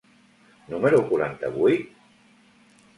número quaranta-vuit?